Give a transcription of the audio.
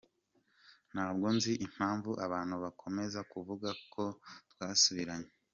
Ntabwo nzi impamvu abantu bakomeza kuvuga ko twasubiranye.